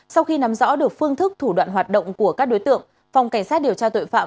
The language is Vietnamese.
sau khi nắm rõ được phương thức thủ đoạn hoạt động của các đối tượng phòng cảnh sát điều tra tội phạm